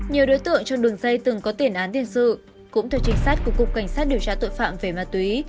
nhiều đối tượng trong đường dây từng có tiền án tiền sự cũng theo trinh sát của cục cảnh sát điều tra tội phạm về ma túy